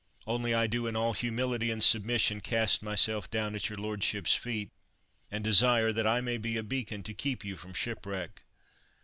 Only I do in all humility and submission cast myself down at your lordships' ±eet and desire that I may be a beacon to keep you from shipwreck.